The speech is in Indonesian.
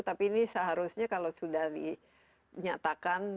tapi ini seharusnya kalau sudah dinyatakan